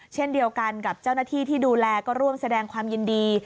เช่นเดียวกันกับเจ้าหน้าที่ที่ดูแลก็ร่วมแสดงความยินดี